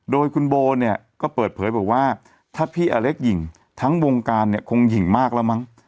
โดยคุณโบเนี่ยก็เปิดเผยบอกว่าถ้าพี่อเล็กหญิงทั้งวงการเนี่ยคงหญิงมากแล้วมั้ง